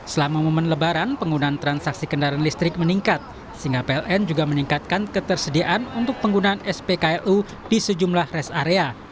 selama momen lebaran penggunaan transaksi kendaraan listrik meningkat sehingga pln juga meningkatkan ketersediaan untuk penggunaan spklu di sejumlah rest area